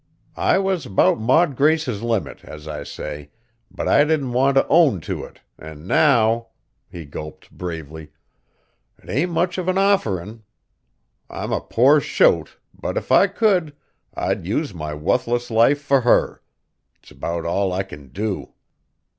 I was 'bout Maud Grace's limit, as I say, but I didn't want t' own to it, an' now," he gulped bravely, "'t ain't much of an offerin'! I'm a poor shote, but if I could, I'd use my wuthless life fur her. It's 'bout all I kin do."